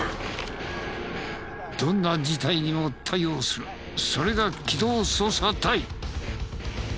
どんな事態にも対応するそれが機動捜査隊。